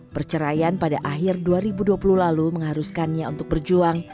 perceraian pada akhir dua ribu dua puluh lalu mengharuskannya untuk berjuang